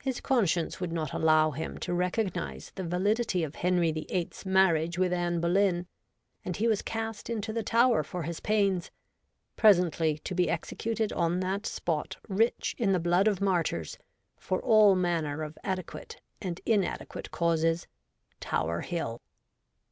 His conscience would not allow him to re cognise the validity of Henry the Eighth's marriage with Anne Boleyn, and he was cast into the Tower for his pains, presently to be executed on that spot rich in the blood of martyrs for all manner of adequate and inadequate causes — Tower Hill.